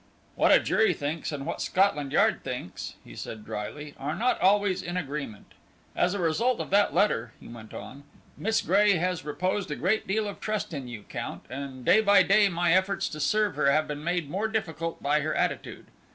"What a jury thinks and what Scotland Yard thinks," he said, drily, "are not always in agreement. As a result of that letter," he went on, "Miss Gray has reposed a great deal of trust in you, Count, and day by day my efforts to serve her have been made more difficult by her attitude.